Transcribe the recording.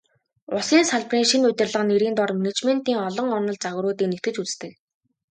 Улсын салбарын шинэ удирдлага нэрийн доор менежментийн олон онол, загваруудыг нэгтгэж үздэг.